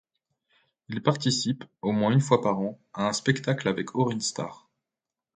Il participe, au moins une fois par an, à un spectacle avec Orrin Star.